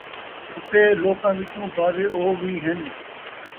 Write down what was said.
اَتے لوکاں وِچوں بعضے او وِی ہِن